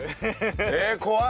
えーっ怖い！